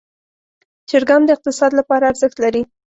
چرګان د اقتصاد لپاره ارزښت لري.